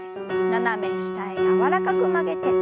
斜め下へ柔らかく曲げて。